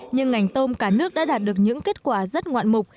nhưng ngành tôm cả nước đã đạt được những kết quả rất ngoạn mục